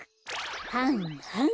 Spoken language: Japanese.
はんはん。